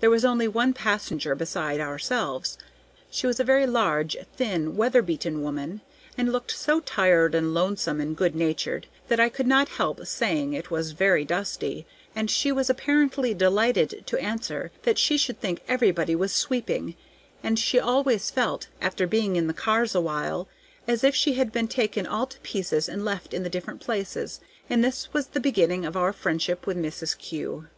There was only one passenger beside ourselves. She was a very large, thin, weather beaten woman, and looked so tired and lonesome and good natured, that I could not help saying it was very dusty; and she was apparently delighted to answer that she should think everybody was sweeping, and she always felt, after being in the cars a while, as if she had been taken all to pieces and left in the different places. And this was the beginning of our friendship with Mrs. Kew.